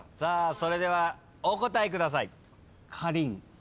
それではお答えください。